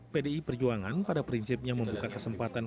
pdi perjuangan pada prinsipnya membuka kesempatan